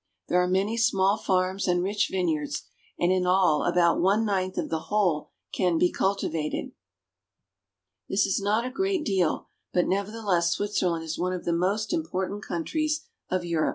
There are many small farms and rich vineyards, and in all about one ninth of the whole can be cultivated. This is not a great deal, but nevertheless Switzerland is one of the most important countries of Europe.